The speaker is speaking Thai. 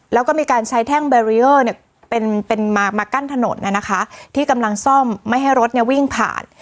แล้วก็มีการใช้แท่งเป็นเป็นมามากั้นถนนน่ะนะคะที่กำลังซ่อมไม่ให้รถเนี้ยวิ่งผ่าน